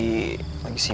lagi sibuk lah mikirnya ya